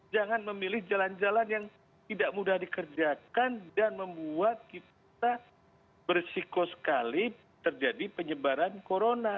jangan memilih jalan jalan yang tidak mudah dikerjakan dan membuat kita bersikoskali terjadi penyebaran corona